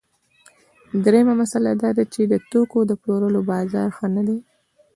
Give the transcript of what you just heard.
درېیمه مسئله دا ده چې د توکو د پلورلو بازار ښه نه دی